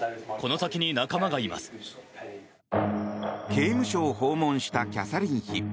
刑務所を訪問したキャサリン妃。